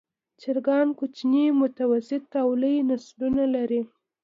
چرګان کوچني، متوسط او لوی نسلونه لري.